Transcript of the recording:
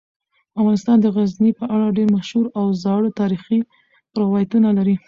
افغانستان د غزني په اړه ډیر مشهور او زاړه تاریخی روایتونه لري.